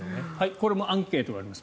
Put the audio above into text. これもアンケートがあります。